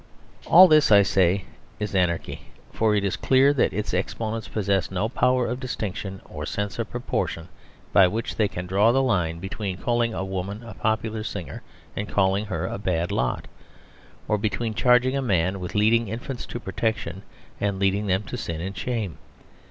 All this, I say, is Anarchy; for it is clear that its exponents possess no power of distinction, or sense of proportion, by which they can draw the line between calling a woman a popular singer and calling her a bad lot; or between charging a man with leading infants to Protection and leading them to sin and shame.